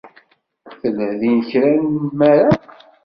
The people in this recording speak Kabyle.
Tella din kra n nnmara?